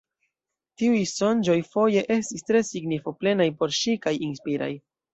Tiuj sonĝoj foje estis tre signifo-plenaj por ŝi kaj inspiraj.